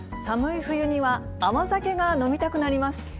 寒い冬には、甘酒が飲みたくなります。